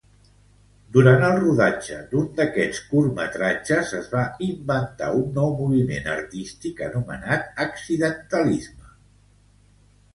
Durant el rodatge d'un d'aquests curtmetratges es va inventar un nou moviment artístic anomenat accidentalisme.